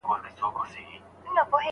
د خاوند خوښي څه ارزښت لري؟